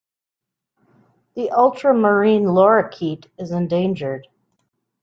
The ultramarine lorikeet is endangered.